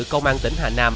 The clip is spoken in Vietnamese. công an tỉnh hà nam